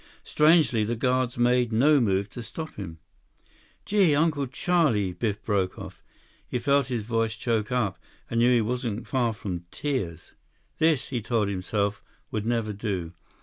Strangely, the guards made no move to stop him. "Gee, Uncle Charlie—" Biff broke off. He felt his voice choke up and knew he wasn't far from tears. This, he told himself, would never do.